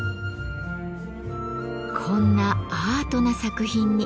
こんなアートな作品に。